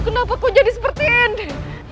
kenapa kok jadi seperti ini